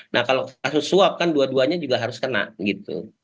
nah kalau kasus suap kan dua duanya juga harus kena gitu